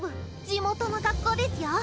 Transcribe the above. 地元の学校ですよ？